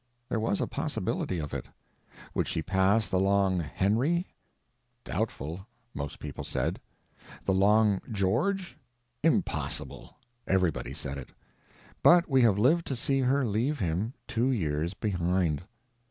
There was a possibility of it. Would she pass the long Henry? Doubtful, most people said. The long George? Impossible! Everybody said it. But we have lived to see her leave him two years behind.